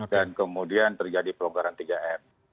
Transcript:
dan kemudian terjadi pelonggaran tiga m